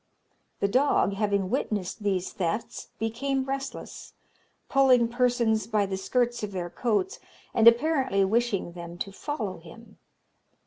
The dog, having witnessed these thefts, became restless, pulling persons by the skirts of their coats, and apparently wishing them to follow him.